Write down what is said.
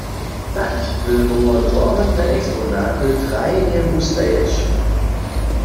Tak by móhło drohotne eksponaty trajnje wustajeć.